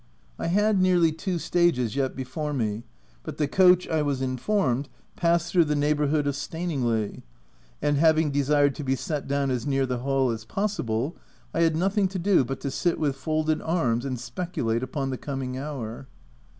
I had nearly two stages yet before me, but the coach, I was informed, passed through the neighbourhood of Staningley, and, having desired to be set down as near the Hall is possible, I had nothing to do but to sit with folded arms and speculate upon the coming hour.